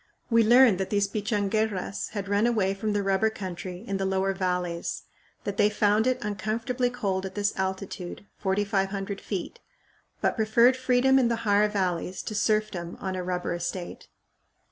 We learned that these Pichanguerras had run away from the rubber country in the lower valleys; that they found it uncomfortably cold at this altitude, 4500 feet, but preferred freedom in the higher valleys to serfdom on a rubber estate.